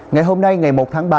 ngày hôm nay ngày một tháng ba